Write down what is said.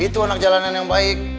jangan jalanan yang baik